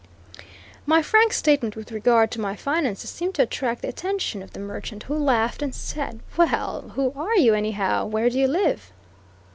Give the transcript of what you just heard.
My frank statement with regard to my finances seemed to attract the attention of the merchant who laughed and said: "Well, who are you, anyhow? Where do you live?"